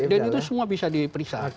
dan itu semua bisa diperiksa